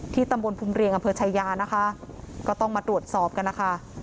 ตำบลภูมิเรียงอำเภอชายานะคะก็ต้องมาตรวจสอบกันนะคะ